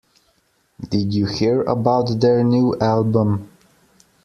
Did you hear about their new album?